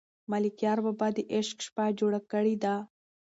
ملکیار بابا د عشق شپه جوړه کړې ده.